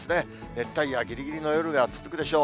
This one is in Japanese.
熱帯夜ぎりぎりの夜が続くでしょう。